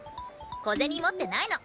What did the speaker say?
小銭持ってないの。